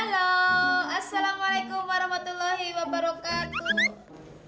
halo assalamualaikum warahmatullahi wabarakatuh